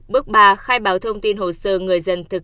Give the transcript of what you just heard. bước ba khai báo thông tin hồ sơ